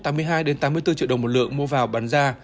tám mươi hai tám mươi bốn triệu đồng một lượng mua vào bán ra